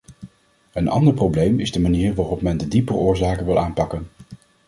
Een ander probleem is de manier waarop men de diepere oorzaken wil aanpakken.